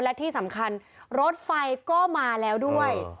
และที่สำคัญรถไฟก็มาแล้วด้วย